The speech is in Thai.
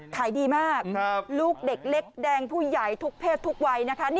ขายดีมากลูกเด็กเล็กแดงผู้ใหญ่ทุกเพศทุกวัยนะคะ